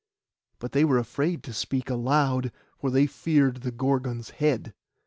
But they were afraid to speak aloud, for they feared the Gorgon's head.